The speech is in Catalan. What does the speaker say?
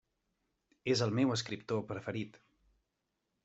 És el meu escriptor preferit.